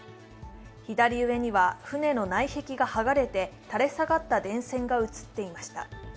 左上には船の内壁が剥がれて垂れ下がった電線が写っていました。